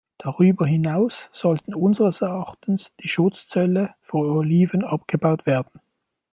Darüber hinaus sollten unseres Erachtens die Schutzzölle für Oliven abgebaut werden.